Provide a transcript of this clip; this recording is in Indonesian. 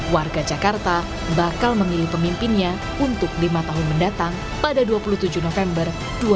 warga jakarta bakal memilih pemimpinnya untuk lima tahun mendatang pada dua puluh tujuh november dua ribu dua puluh